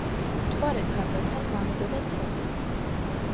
მთვარე თანდათან მაღლდება ცაზე